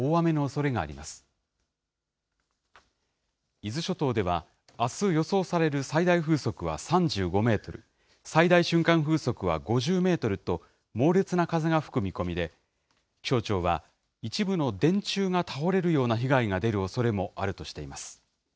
伊豆諸島では、あす予想される最大風速は３５メートル、最大瞬間風速は５０メートルと、猛烈な風が吹く見込みで、気象庁は、一部の電柱が倒れるような被害が出るおそれもあるとしています。